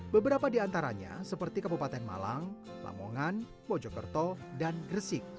beberapa di antaranya seperti kabupaten malang lamongan mojokerto dan gresik